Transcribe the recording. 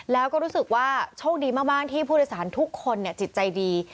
แล้วก็รู้สึกว่าโชคดีมากที่ผู้โดยสารทุกคนจิตใจดี